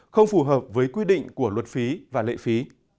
không phù hợp với quy định của luật phí và lệ phí